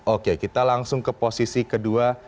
oke kita langsung ke posisi kedua